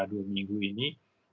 dua minggu ini